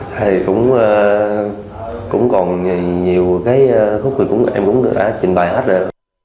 thì cũng còn nhiều khúc em cũng đã trình bài hết rồi